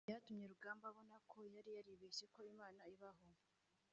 ryatumye Rugamba abona ko yari yaribeshye ko Imana ibaho